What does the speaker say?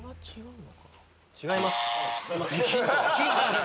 違います。